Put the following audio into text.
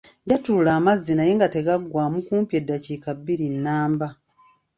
Yattulula amazzi naye nga tegaggwamu kumpi eddakiika bbiri nnamba.